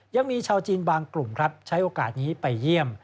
ยังมีชาวจีนบางกลุ่มครับใช้โอกาสนี้ไปเยี่ยม